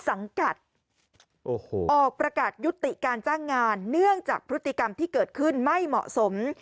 สังกัดออกประกาศยุติการจ้างงานเนื่องจากพฤติกรรมที่เกิดขึ้นไม่เหมาะสม